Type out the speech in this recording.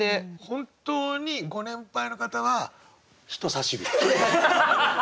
本当にご年配の方は人さし指。